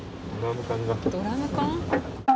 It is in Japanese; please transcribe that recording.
ドラム缶？